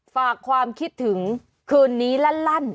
ฝากความคิดถึงคืนนี้ลั่น